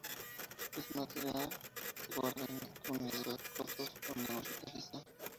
Este material se guarda en el túnel de Los Cotos cuando no se utiliza.